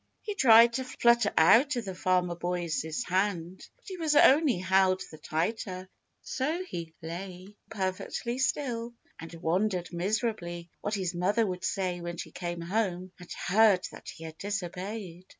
He tried to flutter out of the Farmer Boy's hand, but he was only held the tighter, so he lay perfectly still and wondered miserably what his mother would say when she came home and heard that he had disobeyed.